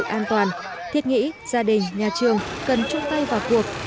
đã an toàn thiết nghĩ gia đình nhà trường cần trụ tay vào cuộc